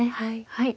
はい。